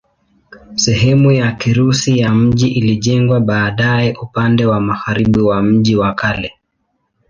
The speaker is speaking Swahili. Sehemu ya Kirusi ya mji ilijengwa baadaye upande wa magharibi wa mji wa kale.